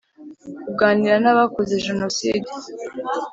Kuganira n’ abakoze Jenoside